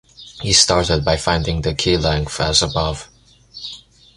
He started by finding the key length, as above.